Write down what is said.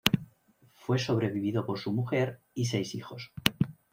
Fue sobrevivido por su mujer y seis hijos.